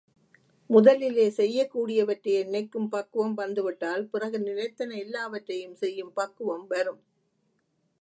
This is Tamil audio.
முதலிலே, செய்யக்கூடியவற்றையே நினைக்கும் பக்குவம் வந்துவிட்டால், பிறகு நினைத்தன எல்லாவற்றையும் செய்யும் பக்குவம் வரும்.